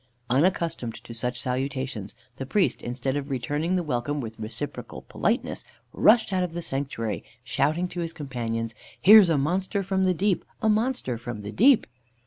Unaccustomed to such salutations, the priest, instead of returning the welcome with a reciprocal politeness, rushed out of the sanctuary, shouting to his companions, "Here's a monster from the deep! a monster from the deep!"